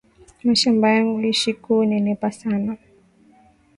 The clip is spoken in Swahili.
Mashamba yangu isha ku nenepa sana